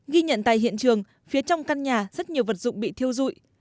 ghi nhận tại hiện trường phía trong căn nhà rất nhiều vật dụng bị thiêu dụi